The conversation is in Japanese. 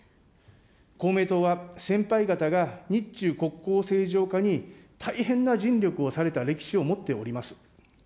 公明党は、先輩方が日中国交正常化に、大変な尽力をされた歴史を持っております。